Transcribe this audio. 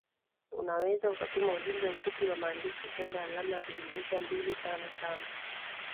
unaweza ukatuma ujumbe mfupi wa maandishi kwenda alama ya kujumlisha mbili tano tano